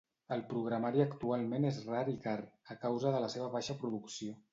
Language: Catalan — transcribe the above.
El programari actualment és rar i car a causa de la baixa producció.